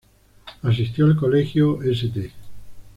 Asistió al colegio St.